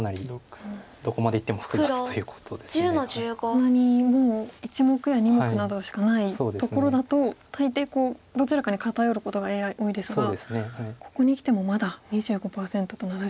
こんなにもう１目や２目などしかないところだと大抵どちらかに偏ることがＡＩ多いですがここにきてもまだ２５％と７５％と。